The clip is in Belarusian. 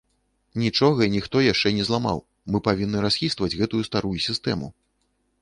Нічога і ніхто яшчэ не зламаў, мы павінны расхістваць гэтую старую сістэму.